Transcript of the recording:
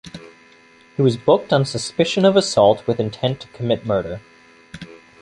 He was booked on suspicion of assault with intent to commit murder.